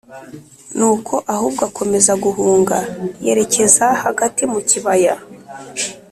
Nuko ahubwo akomeza guhunga yerekeza hagati mu kibaya